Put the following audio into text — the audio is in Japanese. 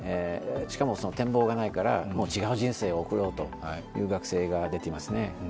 しかも展望がないから、もう違う人生を送ろうという学生が出ていますね。